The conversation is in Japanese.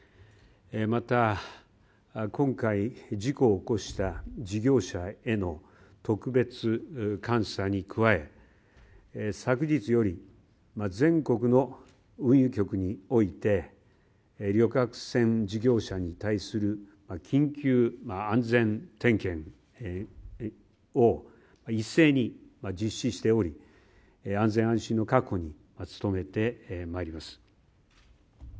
また今回、事故を起こした事業者への特別監査に加え、昨日より全国の運輸局において、旅客船事業者に対する緊急安全点検を一斉に実施しており、安全・安心の確保に努めてまいります。